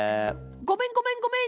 ごめんごめんごめん。